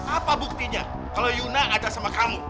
apa buktinya kalau yuna ngacak sama kamu